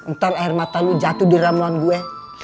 ntar air mata lo jatuh di ramuan gue